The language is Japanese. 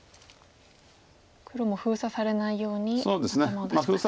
黒も封鎖されないように頭を出しましたか。